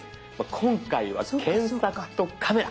今回は検索とカメラ